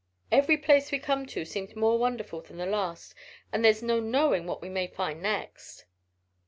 Every place we come to seems more wonderful than the last, and there's no knowing what we may find next."